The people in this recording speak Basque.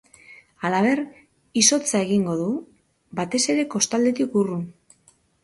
Halaber, itzotza egingo du, batez ere kostaldetik urrun.